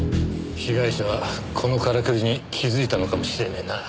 被害者はこのからくりに気づいたのかもしれねえな。